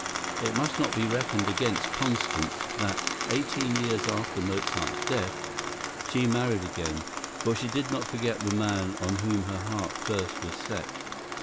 It must not be reckoned against Constance that, eighteen years after Mozart's death, she married again. For she did not forget the man on whom her heart first was set.